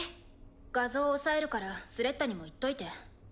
画像押さえるからスレッタにも言っといて。